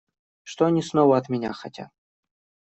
Что они снова от меня хотят?